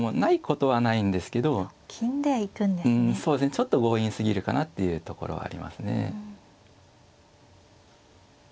ちょっと強引すぎるかなっていうところはありますね。